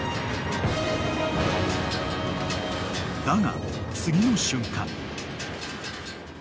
［だが次の瞬間］